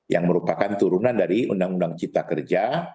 yang merupakan turunan dari undang undang cipta kerja